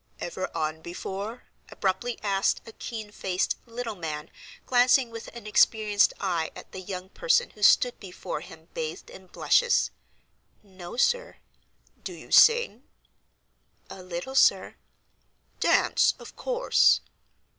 "Ever on before?" abruptly asked, a keen faced, little man, glancing with an experienced eye at the young person who stood before him bathed in blushes. "No, sir." "Do you sing?" "A little, sir." "Dance, of course?"